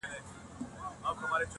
جام د میني راکړه,